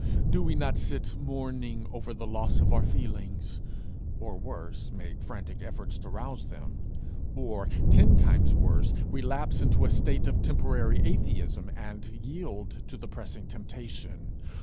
Do we not sit mourning over the loss of our feelings? or worse, make frantic efforts to rouse them? or, ten times worse, relapse into a state of temporary atheism, and yield to the pressing temptation?